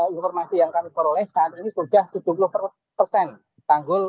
informasi yang kami peroleh saat ini sudah tujuh puluh persen tanggul